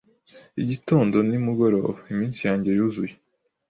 igitondo nimugoroba Iminsi yanjye yuzuye